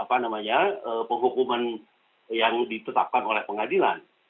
apa namanya penghukuman yang ditetapkan oleh pengadilan